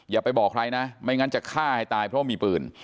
อย่าไปบอกใครนะไม่งั้นจะฆ่าให้ตายเพราะมีปืน